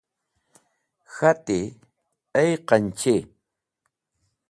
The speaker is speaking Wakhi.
K̃hati: Ay qanchi!